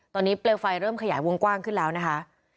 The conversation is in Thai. ตอนนี้เปลวไฟเริ่มขยายวงกว้างขึ้นแล้วนะคะ